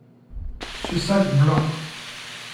Ce sac blanc.